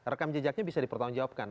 rekam jejaknya bisa dipertanggungjawabkan